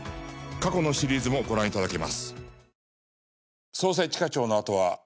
過去のシリーズもご覧頂けます。